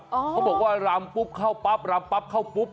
เขาบอกว่ารำปุ๊บเข้าปั๊บรำปั๊บเข้าปุ๊บ